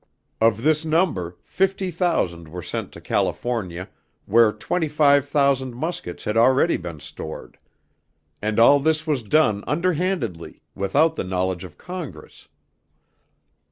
Of this number, fifty thousand were sent to California where twenty five thousand muskets had already been stored. And all this was done underhandedly, without the knowledge of Congress.